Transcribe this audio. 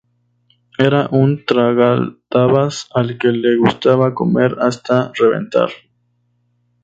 Era un tragaldabas al que le gustaba comer hasta reventar